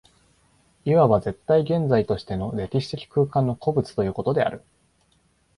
いわば絶対現在としての歴史的空間の個物ということである。